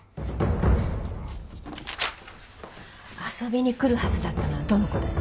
うん遊びに来るはずだったのはどの子だい？